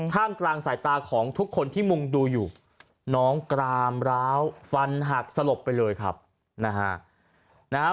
ท่ามกลางสายตาของทุกคนที่มุงดูอยู่น้องกรามร้าวฟันหักสลบไปเลยครับนะฮะ